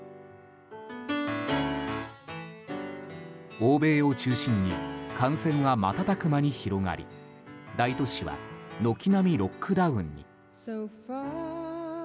欧米を中心に感染は瞬く間に広がり大都市は軒並みロックダウンに。